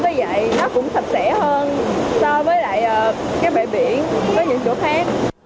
với vậy nó cũng sạch sẽ hơn so với lại cái bể biển với những chỗ khác